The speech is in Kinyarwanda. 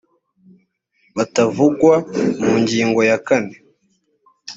batavugwa mu ngingo ya kane